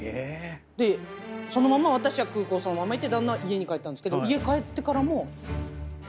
そのまま私は空港行って旦那は家に帰ったんですけど家帰ってからも。